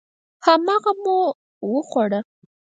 هماغه مو وخوړه.